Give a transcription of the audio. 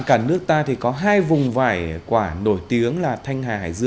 cả nước ta thì có hai vùng vải quả nổi tiếng